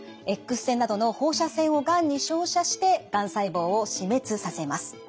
Ｘ線などの放射線をがんに照射してがん細胞を死滅させます。